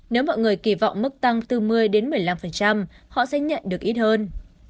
nếu mọi người kỳ vọng mức tăng bốn mươi một mươi năm họ sẽ nhận được ít hơn